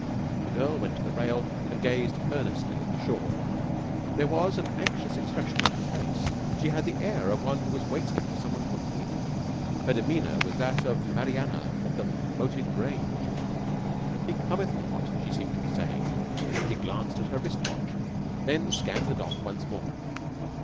The girl went to the rail and gazed earnestly at the shore. There was an anxious expression on her face. She had the air of one who was waiting for someone to appear. Her demeanour was that of Mariana at the Moated Grange. "He cometh not!" she seemed to be saying. She glanced at her wrist watch, then scanned the dock once more.